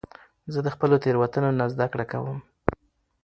زه د خپلو تیروتنو نه زده کړه کوم.